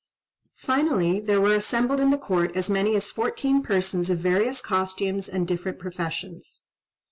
Finally there were assembled in the court as many as fourteen persons of various costumes and different professions.